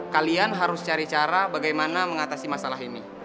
kalian harus cari cara bagaimana mengatasi masalah ini